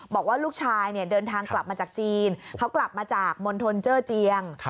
บอกว่าลูกชายเดินทางกลับมาจากจีนเขากลับมาจากมณฑลเจอร์เจียง